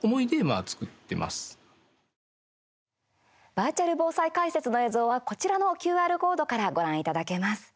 バーチャル防災解説の映像は、こちらのＱＲコードからご覧いただけます。